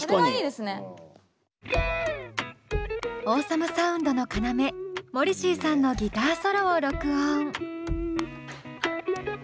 オーサムサウンドの要モリシーさんのギターソロを録音。